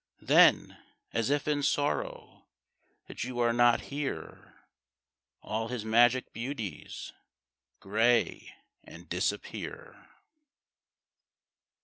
Then, as if in sorrow That you are not here, All his magic beauties Gray and disappear.